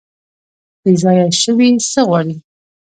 بیځایه شوي څه غواړي؟